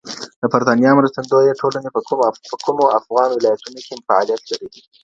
د برېتانیا مرستندویه ټولنې په کومو افغان ولایتونو کي فعالیت لري؟